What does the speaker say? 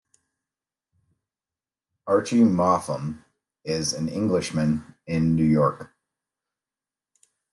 Archie Moffam is an Englishman in New York.